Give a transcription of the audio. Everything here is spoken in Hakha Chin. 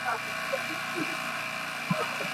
Na lo na vat dih cang maw?